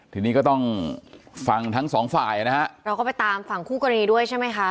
ทีนี้ก็ต้องฟังทั้งสองฝ่ายนะฮะเราก็ไปตามฝั่งคู่กรณีด้วยใช่ไหมคะ